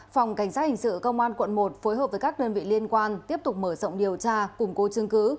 phòng cảnh sát hình sự công an quận một phối hợp với các đơn vị liên quan tiếp tục mở rộng điều tra cùng cố chứng cứ